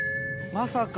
まさか。